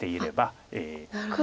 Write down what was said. なるほど。